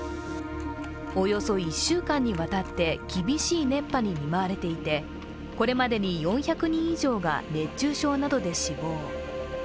およそ１週間にわたって厳しい熱波に見舞われていて、これまでに４００人以上が熱中症などで死亡。